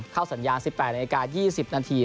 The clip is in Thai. เข้าสัญญาณ๑๘นาที๒๐นาที